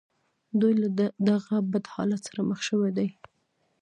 دوی له دغه بد حالت سره مخ شوي دي